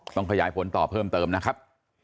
ขยายผลต่อเพิ่มเติมนะครับ